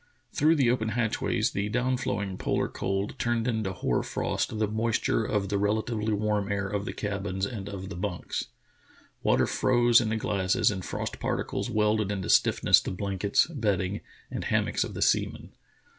Through the open hatchways the down flowing polar cold turned into hoar frost the moisture of the relatively warm air of the cabins and of the bunks. Water froze in the glasses and frost particles welded into stiffness the blankets, bedding, and hammocks of the seamen.